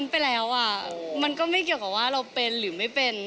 ไม่ต้องบอกว่าเราเป็นหรือไม่เป็น